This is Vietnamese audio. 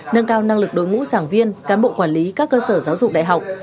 nâng cao năng lực đối ngũ giảng viên cán bộ quản lý các cơ sở giáo dục đại học